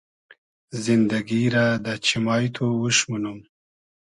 زیندئگی رۂ دۂ چیمای تو اوش مونوم